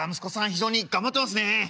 非常に頑張ってますね」。